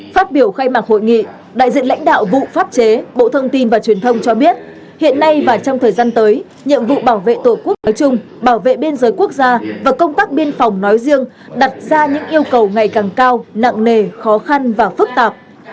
phát biểu khai mạc hội nghị đại diện lãnh đạo vụ pháp chế bộ thông tin và truyền thông cho biết hiện nay và trong thời gian tới nhiệm vụ bảo vệ tổ quốc nói chung bảo vệ biên giới quốc gia và công tác biên phòng nói riêng đặt ra những yêu cầu ngày càng cao nặng nề khó khăn và phức tạp